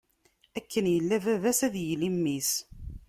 Akken yella baba-s, ad yili mmi-s.